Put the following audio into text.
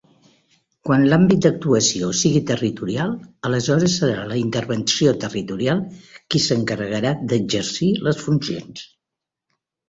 Quan l'àmbit d'actuació sigui territorial, aleshores serà la intervenció territorial qui s'encarregarà d'exercir les funcions.